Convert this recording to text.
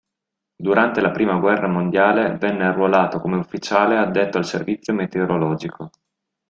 Durante la prima guerra mondiale venne arruolato come ufficiale addetto al servizio meteorologico.